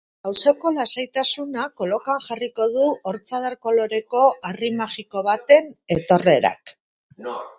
Auzoko lasaitasuna kolokan jarriko du ortzadar koloreko harri magiko baten etorrerak.